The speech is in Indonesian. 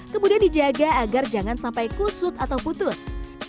kemudian dijaga agar jangan sampai kusut atau putus